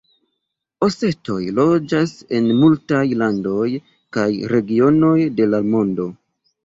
Osetoj loĝas en multaj landoj kaj regionoj de la mondo.